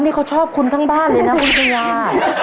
นี่เขาชอบคุณทั้งบ้านเลยนะคุณชายา